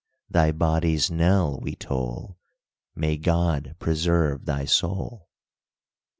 Thy body's knell we toll, May God preserve thy soul!"